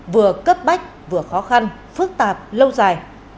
vừa cấp bách vừa khó khăn phức tạp lâu dài